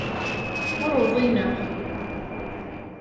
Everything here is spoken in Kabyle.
Ur uḍineɣ.